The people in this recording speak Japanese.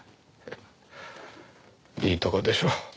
いいとこでしょ？